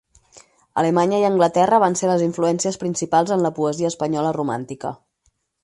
Alemanya i Anglaterra van ser les influències principals en la poesia espanyola romàntica.